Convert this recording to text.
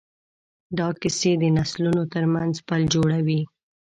دا کیسې د نسلونو ترمنځ پل جوړوي.